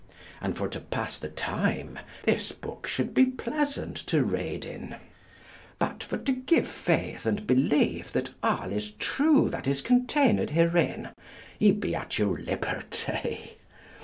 And for to pass the time this book shall be pleasant to read in; but for to give faith and believe that all is true that is contained herein, ye be at your liberty.